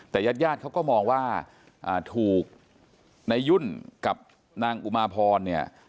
แต่ญาติญาติเขาก็มองว่าถูกในยุ่นกับนางอุมาพรเนี่ย